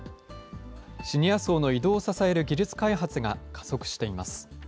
シニア層の移動を支える技術開発が加速しています。